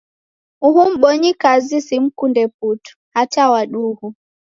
Uhu mbonyikazi simkunde putu, hata wa duhu!